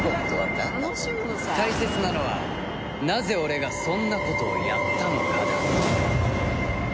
大切なのは「なぜ俺がそんなことをやったのか」だ。